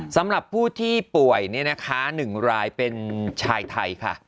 สำหรับผู้ที่ป่วย๑รายเป็นชายไทยค่ะ